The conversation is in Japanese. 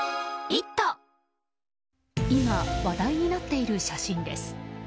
今、話題になっている写真です。